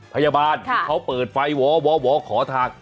พยาบาลที่เขาเปิดไฟวอขอทาง